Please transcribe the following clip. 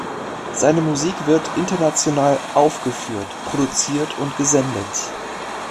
Seine Musik wird international aufgeführt, produziert und gesendet.